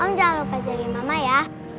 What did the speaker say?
om jangan lupa jadi mama ya